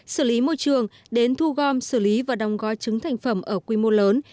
xử lý môi trường đến thu gom xử lý và đóng gói trứng thành phẩm ở quy mô lớn